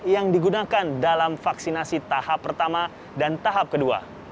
yang digunakan dalam vaksinasi tahap pertama dan tahap kedua